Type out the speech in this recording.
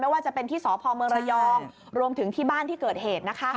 ว่าจะเป็นที่สพเมืองระยองรวมถึงที่บ้านที่เกิดเหตุนะคะ